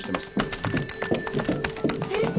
先生！